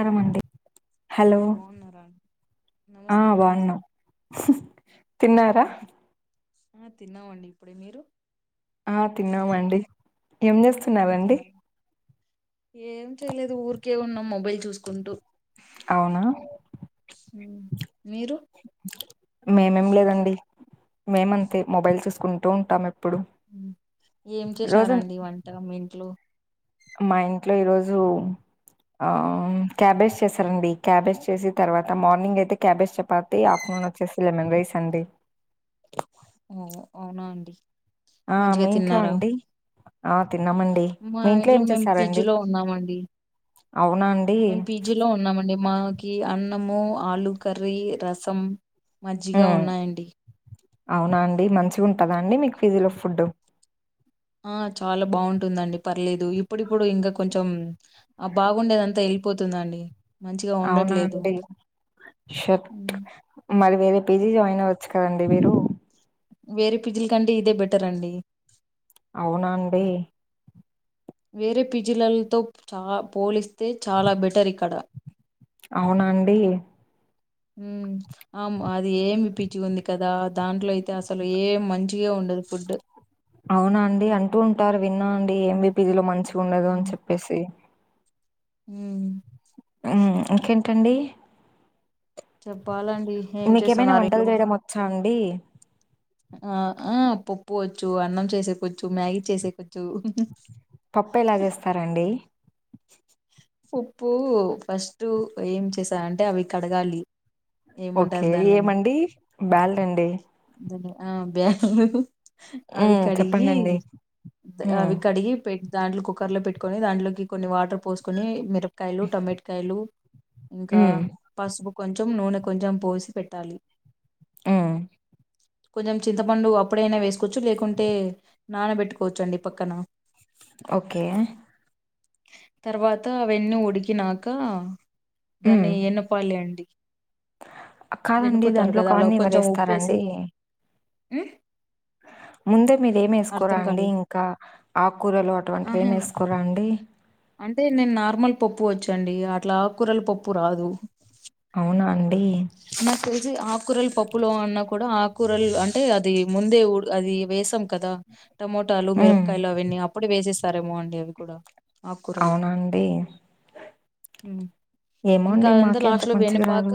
అండి ఆ హలో బాగున్నారా అండి? ఆ నమస్కారం బావున్నాం తిన్నారా తిన్నామండి ఇప్పుడే మీరు ఆ తిన్నామండి ఏం ఏం చేస్తున్నారండి తిన్నా ఏం చేయలేదు ఊరికే ఉన్నాం మొబైల్ చూసుకుంటూ అవునా మీరు మేమేం లేదండి మేమంతే మొబైల్ చూసుకుంటూ ఉంటాం ఎప్పుడు ఏం రోజు చేశారండి వంట మీ ఇంట్లో మా ఇంట్లో ఈరోజు క్యాబేజ్ చేస్తారండి క్యాబేజ్ చేసి తర్వాత మార్నింగ్ అయితే క్యాబేజ్ చెప ఆఫటర్నూన్ వచ్చేసి లెమన్ రైస్ అండి ఓ అవునా అండి ఆ మంచిగా మీ ఇంట్లో తిన్నారా అండి ఆ తిన్నామండి మా మీ ఇంట్లో ఏం మేము చేస్తారండి పీజీలో ఉన్నామండి అవునండి లో ఉన్నామండి మాకి అన్నము ఆలు కర్రీ రసం మజ్జిగా ఉమ్ ఉన్నాయండి అవునా అండి మంచిగా ఉంటదా అండి మీకు పిజీలో ఫుడ్ ఆ చాలా బాగుంటుందండి పర్లేదు ఇప్పుడిప్పుడు ఇంకా కొంచెం ఆ బాగుండేదంతా [unintelligible] పోతుందండి అవునా అండి షట్ మరి వేరే పీజీ జాయిన్ అవ్వచ్చు కదండి మీరు వేరే పీజీలు కంటే ఇదే బెటర్ అండి అవునా అండి వేరే పీజీలలతో చా పోలిస్తే చాలా బెటర్ ఇక్కడ అవునా అండి ఉమ్ ఆ అది ఏం పిజి ఉంది కదా దాంట్లో అయితే అసలు ఏం మంచిగా ఉండదు ఫుడ్ అవునా అండి అంటూ ఉంటారు విన్నా అండి ఎం. వి ఉమ్ పీజీలో మంచిగా ఉండదు అని ఉమ్, చెప్పేసి ఉమ్ ఉమ్ ఇంకేంటండి చెప్పాలండి ఏం మీకేమైనా చేస్తున్నారు ఇంట్లో వంటలు చేయడం వచ్చా అండి ఆ ఆ పప్పు వచ్చు అన్నం చేసుకోవచ్చు మ్యాగీ చేసేకోవచ్చు పప్పు ఎలా చేస్తారండి పప్పు ఫస్ట్ ఏం చేసాఅంటే అవి కడగాలి ఓకే ఏమంటారు దానిలని ఏమండి బాల్డ్ అండి ఆ బేరు అవి మ్మ్ కడిగి చెప్పండండి మ్మ్ అవి కడిగి పె దాంట్లో కుక్కర్ లో పెట్టుకొని దాంట్లోకి కొన్ని వాటర్ పోసుకొని మీర కాయలు టొమటకాయలు ఇంకా మ్మ్ పసుపు కొంచెం నూనె కొంచెం పోసి పెట్టాలి ఉమ్ కొంచెం చింతపండు అప్పుడైనా వేసుకోవచ్చు లేకుంటే నానబెట్టుకోవచ్చు అండి పక్కన ఓకే తర్వాత అవన్నీ ఉడికినాక మ్మ్ దాన్ని ఎనపాలి అండి కాదండి వెనుపుతారు దాంట్లోకి కదా అలా అవన్నీ కొంచెం ఉప్పేసి ఎవరేస్తారండి హ్మ్? ముందే మీరు ఏం వేసుకోరా అర్థం అండి కాలేదు ఇంకా ఆకురాలు అటువంటివి ఆహా ఏమి వేసుకోరా అండి అంటే నేను నార్మల్ పప్పు వచ్చండి అట్లా ఆక్కూరల పప్పు రాదు అవునా అండి నా తెలిసి ఆకూరలు పప్పులో అన్నా కూడా ఆకూరలు అంటే అది ముందే అది వేస్ స్తాం కదా టమోటాలు హ్మ్. మిరపకాయలు అవన్నీ అప్పుడే వేసేస్తారేమో అండి అవి కూడా ఆకుకూరలు అవునండి హ్మ్. ఏమో ఇంకా అండి అదంతా మాకే అంత లాస్ట్ లో మంచిగా వెనుపాక రాదూ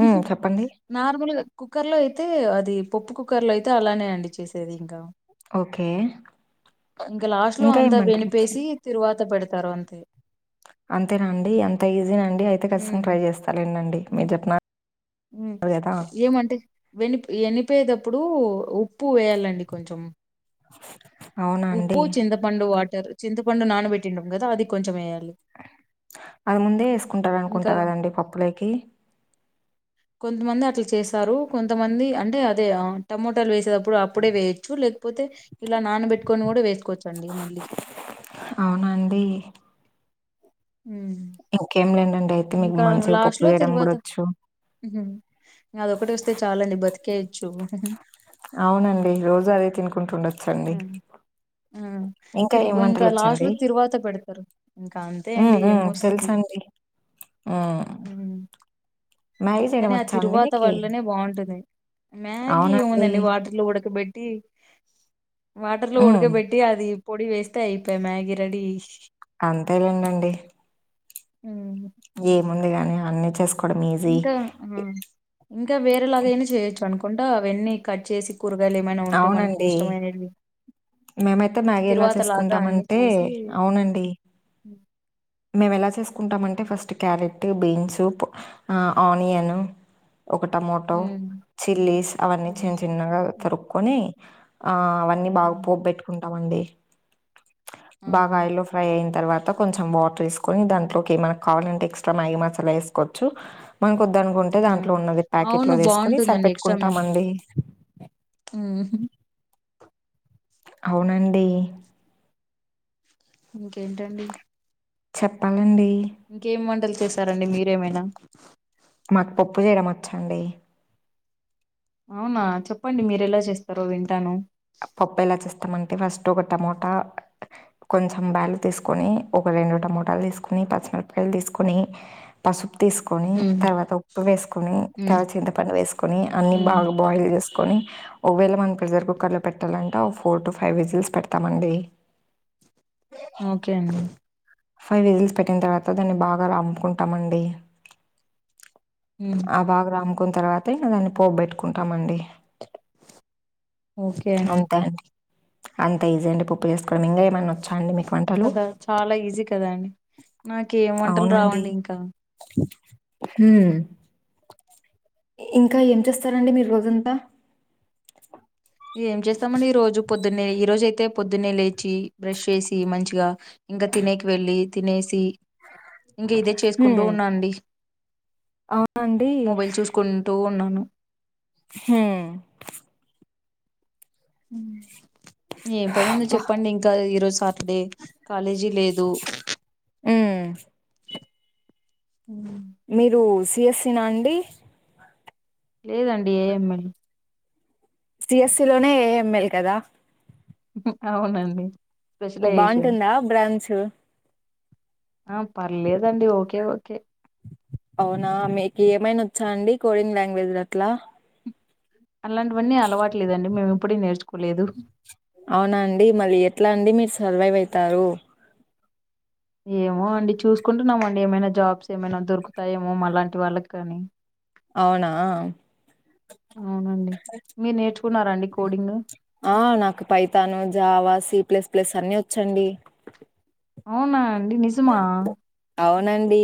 ఉమ్ చెప్పండి నార్మల్గా కుక్కర్ లో అయితే అది పప్పు కుక్కర్ లో అయితే అలానే అండి చేసేది ఇంకా ఓకే ఇంకా ఏమంటారు వేసి తిరువాత పెడతారు అంతే అంతేనఅండి అంత ఈజీనా అండి అయితే ఉమ్ ఖచ్చితంగా ట్రై చేస్తాండి ఉమ్ మీరు చె ఏమంటే వెని ఎనిపేటప్పుడు ఉప్పు వేయాలండి కొంచెం అవునా ఉప్పు అండి? చింతపన్ పండు వాటర్ చింతపండు నానబట్టిండం కదా అది కొంచెం వయాలి అది ముందే వేసుకుంటారు ఇంకా అనుకుంటా కదండి పప్పులొకి కొంతమంది అట్లా చేస్తారు కొంతమంది అంటే అదే టమోటాలు వేసేట ప్పుడు అప్పుడే వేయొచ్చు లేకపోతే ఇలా నానబెట్టుకొని కూడా వేసుకోవచ్చండి మళ్ళీ అవునా అండి ఉ ఇంకేం లేండండి అయితే మీకు మంచిగా పప్పు లో చేయడం కూడా తిరువాత వచ్చు అదొకటి వస్తే చాలండి బతికేయచ్చు అవునండి రోజు అదే తినుకుంటుండొచ్చండి హ్మ్ ఆ తిరు ఏం ఇంకా లాస్ట్ వంటలొచ్చండి? లో తిరువాత పెడతారు ఇంకా అ ఉ ఉ తెలుసండి ఆ కానీ ఆ వచ్చా అండి తిరువాత మీకి? వల్లనే బాగుంటుంది మ్యాగీ అవునండి. ఏముందండి వాటర్ లో ఉడకబెట్టి వాటర్ లో హ్మ్. ఉడకబెట్టి అది పొడి వేస్తే అయిపోఏ మ్యాగీ రెడీ అంతేలెండి అండి ఊహు ఏముంది లే అని అన్ని చేసుకో ఇంకా ఇంకా వేరేలాగైనా చేయొచ్చు అనుకుంట అవన్నీ కట్ చేసి కూరగాయలు ఏమైనా ఉంటే మనకి అవునండి. ఇష్టమైనటివి మేమైతే మ్యాగీ ఎలా చేసుకుంటామంటే చేసి అవునండి హ్మ్ మేము ఎలా చేసుకుంటామంటే ఫస్ట్ క్యారెట్ బీన్సూప్ ఆ ఆనియన్ ఒక టమాటో చిల్లీస్ అవన్నీ హ్మ్ చిన్న చిన్నగా హ్మ్ తరుగ్ కోని ఆ అవన్నీ బాగా హ్మ్. పోపు పెట్టుకుంటామండి ఆ బాగా ఆయిల్లో ఫ్రై అయిన తర్వాత కొంచెం వాటర్ వేసుకొని దాంట్లోకి మనకి కావాలంటే ఎక్స్ట్రా మ్యాగీ మసాలా వేసుకోవచ్చు మనాకోద్దనుకుంటే ఆ దాంట్లో ఉన్నది ప్యాకెట్లో అవును ది ఏసుకొని బాగుంటుందండి సరిపెట్టుకుంటాము అండి. ఉహ్ అవునండి ఇంకేంటండి చెప్పాలండి ఇంకేమి వంటలు చేసారండి మీరేమైనా మాకు పప్పు చేయడం వచ్చండి. అవునా చెప్పండి. మీరు ఎలా చేస్తారో వింటాను పప్పు ఎలా చేస్తామంటే ఫస్ట్ ఒక టమోటా కొంచెం బ్యాలు తీసుకొని ఒక రెండు టమోటాలు తీసుకొని పచ్చిమిరపాయలు తీసుకొని పసుపు తీసుకొని హ్మ్ తర్వాత ఉప్పు వేసుకొని హ్మ్ తర్వాత చింతపండు వేసుకొని అన్నీ హ్మ్ బాగా బాయిల్ చేసు కొని ఒకవెళ మనం ప్రెసర్ కుక్కర్ పెట్టాలంటే ఒక ఫోర్ టూ ఫైవ్ విజిల్స్ పెడతాం అండి. ఓకే అండి ఫైవ్ విజిల్స్ పెట్టిన తర్వాత దాన్ని బాగా రమ్పుకుంటాము అండి హ్ ఆ బాగా రామ్ముకున్న తర్వాత దాన్ని పోపు బేట్టుకుంటాము అండి అంతా అండి అంతా ఈజీ అండి పప్పు ఉప్పు ఏసుకోవడం ఇంకా ఏమన్నా వచ్చా అండి మీకు వంటలు కదా చాలా ఈజీ కదా అండి నాకేం వంటలు రావండి. ఇంకా హ్ ఇంకా ఏం చేస్తారండి. మీరూ రోజంతా ఏం చేస్తామండి. ఈ రోజు పొద్దున్నే ఈ రోజు అయితే పొద్దున్నే లేచి బ్రష్ చేసి మంచిగా ఇంకా తినేకి వెళ్ళి తినేసి ఇంక ఇదే చేసుకుంటూ ఉన్నాండి. అవున అండి కుంటూ ఉన్నాను హ్ ఏం పనిందో అబ్బా! చెప్పండి. ఇంకా ఈరోజు సాటర్డే కాలేజీ లేదు హ్ ఉ మీరు సి ఎస్సి నా అండి లేదండి ఏ ఎమ్ ఎల్ సి ఎ స్సి లోనే ఏ ఎం ఎల్ కదా అవునండి స్పెషలైజేషన్ బాగుంటుందా బ్రాంచ్ ఆ పర్లేదండి ఓకే ఓకే అవునా మీకు ఏమైనా వోచ్చా అండి కోడింగ్ లాంగ్వేజ్ లు అట్లా అలాంటివన్నీ అలవాటు లేదండి మేము ఇప్పుడీ నేర్చుకోలేదు అవునా అండి మరీ ఎట్లా అండి మీరు సర్వైవ్ అవుతారు ఏమో అండి చూసుకుంటున్నామండి. ఏమైనా జాబ్స్ ఏమైనా దొరుకుతాయేమో మాలాంటి వాళ్ళకి కాని అవునా అవునండి. మీరు నేర్చుకున్నారాండి కోడింగ్ ఆ నాకు పైతాను జావా సి ప్లేస్ ప్లేస్ అన్ని వచ్చండి అవునా అండి నిజమా అవునండి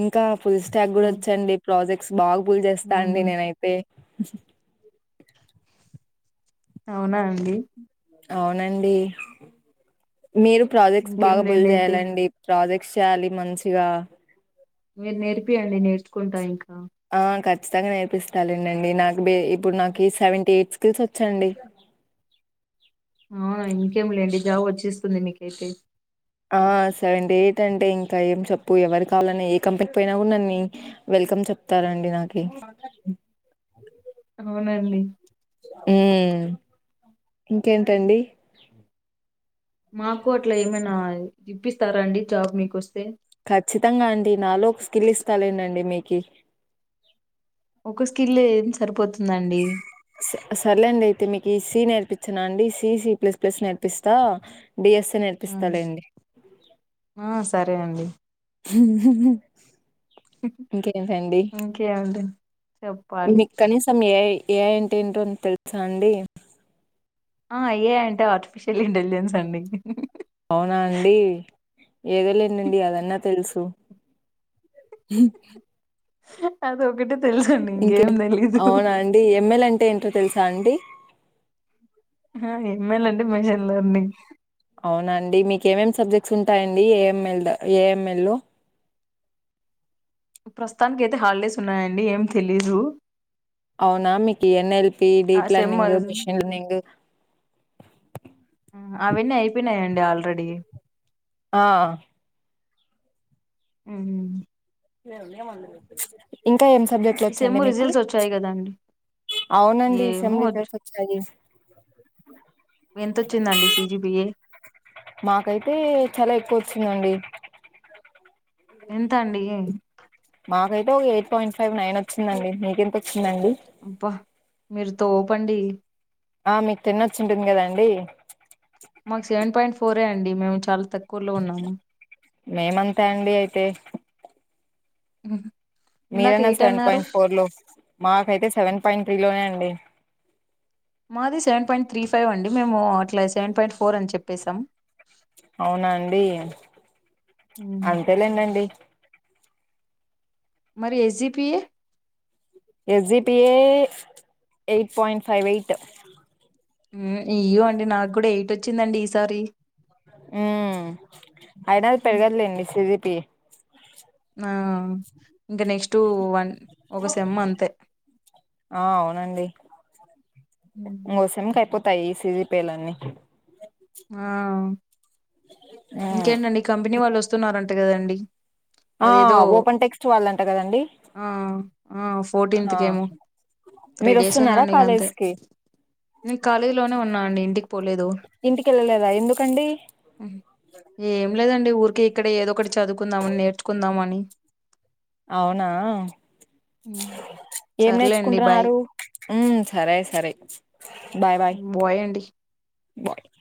ఇంకా పుల్స్ ట్యాగ్ కూడా హ్మ్. వచ్చండి ప్రాజెక్ట్స్ బాగు బుల్ జేస్తా అవునా అండి నేనైతే అవునా అండి అవునండి మీరు ప్రాజెక్ట్స్ ఇంకేం బాగా బుల్ లేండి అయితే జెయ్యాలండి ప్రాజెక్ట్స్ చేయ్యాలి మంచిగా మీరు నేర్పియండి నేర్చుకుంటా ఇంకా ఆ ఖచ్చితంగా నేర్పిస్తాలెండండి నాకు డె ఇప్పుడు నాకీ సెవెంటీ ఎయిట్ స్కిల్స్ వచ్చండి ఆ ఇంకేం లేండి జాబ్ వచ్చేస్తుంది మీకైతే ఆ సెవెంటీ ఎయిట్ అంటే ఇంకా ఏం చెప్పు ఎవరు కావాలని ఏ కంపెనీకి పోయినా గుడ నన్ని వెల్కమ్ చెప్తారండి నాకి అవునండి మ్మ్ ఇంకేంటండి మాకు అట్లా ఏమైనా ఇప్పిస్తారా అండి జాబ్ మీకొస్తే ఖచ్చితంగా అండి నాలో ఒక స్కిల్ ఇస్తాలేండండి మీకి ఒక స్కిల్ ఏం సరిపోతుందండి సర్లేండి అయితే మీకి ఈ సి నేర్పిచిన అండి సి సి ప్లస్ ప్లస్ నేర్పిస్తా బి ఎస్ ఎన్ ఎల్ ఆ సరే అండి ఇంకేంటండి? ఇంకే అండి మీకు కనీసం ఏ ఐ ఏ ఐ అంటే ఏంటోని తెలుసా అండి ఆ ఏ ఐ అంటే ఆర్టిఫిషియల్ ఇంటెలిజెన్స్ అండి అవునా అండి ఏదోలేండండి అదన్నా తెలుసు అ అదొక్కటే తెలుసండి ఇంగేం దెలీదు ఎమ్ ఎల్ అంటే ఏంటో తెలుసా అండి ఎం ఎల్ అండి మెషన్ లెర్నింగ్ అవునా అండి మీకేమేమి సబ్జెక్ట్స్ ఉంటాయండి A M L A M L లో ప్రస్తుతానికైతే హాలిడేస్ ఉన్నాయండి ఏం తెలీదు అవునా మీకి ఎన్ ఎల్ పి ఆ deep sem learning machine learning అవన్నీ అయిపొయినాయండి ఆల్రెడీ ఆ ఊహు ఇంకా ఏం సబ్జెక్ట్లు ఈ సెమ్ వచ్చండి మీకి రిజల్ట్స్ వచ్చాయి కదండి. అవునండి సెమ్ ఏమో రిజల్ట్స్ వచ్చాయి [inaudible] ఎంతొచ్చిందండి సి జీ బి ఏ మాకైతే చాలా ఎక్కువ వచ్చిందండి ఎంత అండి మాకైతే ఒక ఎయిట్ పాయింట్ ఫైవ్ నైన్ వచ్చిందండి మీకెంత వచ్చిందండి అబ్బ మీరు తోపండి ఆ మీకు టెన్ వచ్చింటుంది గదండి మాకు సెవెన్ పాయింట్ ఫోరే అండి మేము చాలా తక్కువలో ఉన్నాము మేమంతే అండి అయితే [unintelligible] ఇందాక మీరన్న ఎయిట్ సెవెన్ అన్నారు. పాయింట్ ఫోర్ లో మాకైతే సెవెన్ పాయింట్ త్రీ లోనే అండి మాది సెవెన్ పాయింట్ త్రీ ఫైవ్ అండి మేము అట్లా సెవెన్ పాయింట్ ఫోర్ అని చెప్పేసాం అవునా అండి అంతేలేండండి మరి SGPA SGPA eight point five eight ఇయ్యో అండి నాకు కూడా ఎయిట్ వచ్చిందండి ఈసారి ఊ అయినది పెరగదులేండి సిజిపి ఆ ఇంకా నెక్స్ట్ వన్ ఒక సెమ్ అంతే ఆ అవునండి ఇంగో సెమ్ కు అయిపోతాయి సిజీ పేలన్నీ ఆ ఉమ్ ఇంకేంటండి కంపెనీ వాళ్ళు వస్తున్నారంట కదండి ఆ అదేదో ఓపెన్ టెక్స్ట్ వాళ్ళంట కదండి ఆ ఆ ఫోర్టీన్త్ ఆ కేమో త్రీ మీరు డేస్ వస్తున్నారా ఉందండి కాలేజ్ గంతే కి నేను కాలేజీ లోనే ఉన్నా అండి ఇంటికి పోలేదు ఇంటికేళ్ళలేదా ఎందుకండి ఏం లేదండి ఊరికే ఇక్కడ ఏదో ఒకటి చదువుకుందామని నేర్చుకుందామని అవునా ఏం సర్లేండి బాయ్ నేర్చుకుంటున్నారు ఊ సరే సరే బాయ్ బాయ్ బై అండి [unintelligible]